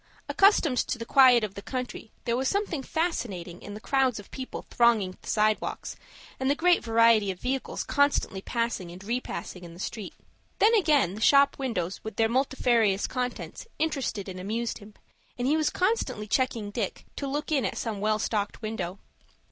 Accustomed to the quiet of the country, there was something fascinating in the crowds of people thronging the sidewalks, and the great variety of vehicles constantly passing and repassing in the street. Then again the shop windows with their multifarious contents interested and amused him, and he was constantly checking Dick to look in at some well stocked window.